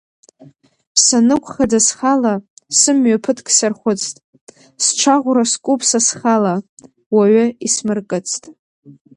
Санықәхаӡа схала, сымҩа ԥыҭк сархәыцт, сҽаӷәра скуп са схала, уаҩы исмыркыцт.